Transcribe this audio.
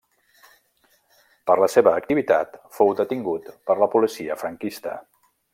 Per la seva activitat fou detingut per la policia franquista.